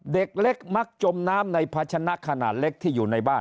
เด็กเล็กมักจมน้ำในภาชนะขนาดเล็กที่อยู่ในบ้าน